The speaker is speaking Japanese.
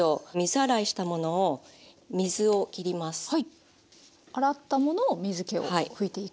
洗ったものを水けを拭いていく。